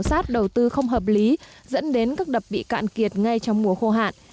kiểm soát đầu tư không hợp lý dẫn đến các đập bị cạn kiệt ngay trong mùa khô hạn